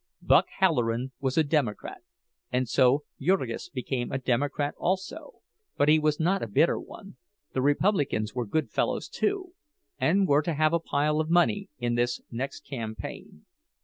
"Buck" Halloran was a "Democrat," and so Jurgis became a Democrat also; but he was not a bitter one—the Republicans were good fellows, too, and were to have a pile of money in this next campaign.